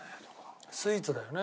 スイーツだよね。